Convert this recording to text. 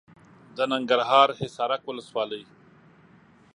د ننګرهار حصارک ولسوالي .